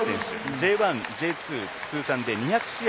Ｊ１、Ｊ２通算で２００試合